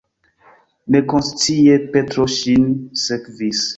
Nekonscie Petro ŝin sekvis.